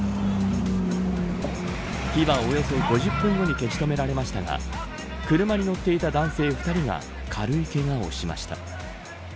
火はおよそ５０分後に消し止められましたが車に乗っていた男性２人が軽いけがをしました。